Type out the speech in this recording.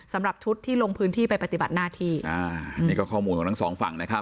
สำหรับชุดที่ลงพื้นที่ไปปฏิบัติหน้าที่อ่านี่ก็ข้อมูลของทั้งสองฝั่งนะครับ